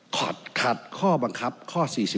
ขัดข้อบังคับข้อ๔๔